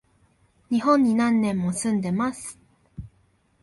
日本に何年も住んでます